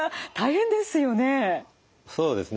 そうですね